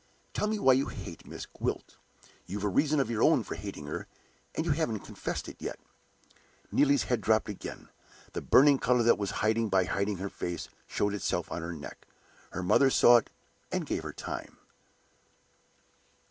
"Tell me why you hate Miss Gwilt! You've a reason of your own for hating her, and you haven't confessed it yet." Neelie's head dropped again. The burning color that she was hiding by hiding her face showed itself on her neck. Her mother saw it, and gave her time.